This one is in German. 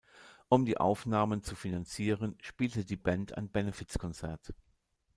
Um die Aufnahmen zu finanzieren, spielte die Band ein Benefizkonzert.